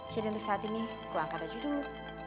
jadi untuk saat ini gue angkat aja dulu